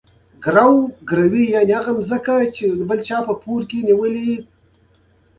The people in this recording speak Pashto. مسلکي مشورې باید اړوندو ادارو ته ورکړل شي.